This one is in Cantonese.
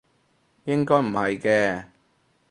應該唔係嘅